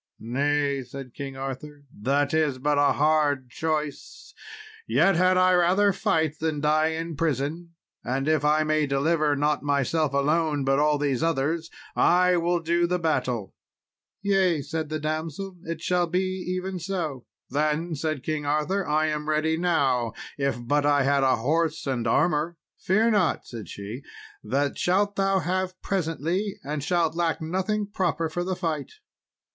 "Nay," said King Arthur, "that is but a hard choice, yet had I rather fight than die in prison, and if I may deliver not myself alone, but all these others, I will do the battle." "Yea," said the damsel, "it shall be even so." "Then," said King Arthur, "I am ready now, if but I had a horse and armour." "Fear not," said she, "that shalt thou have presently, and shalt lack nothing proper for the fight."